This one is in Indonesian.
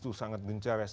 itu sangat bencana